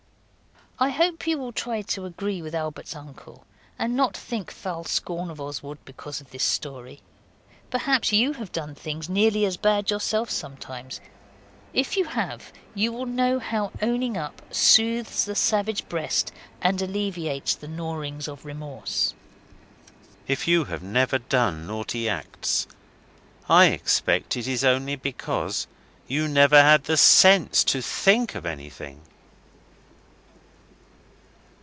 I hope you will try to agree with Albert's uncle and not think foul scorn of Oswald because of this story. Perhaps you have done things nearly as bad yourself sometimes. If you have, you will know how 'owning up' soothes the savage breast and alleviates the gnawings of remorse. If you have never done naughty acts I expect it is only because you never had the sense to think of anything.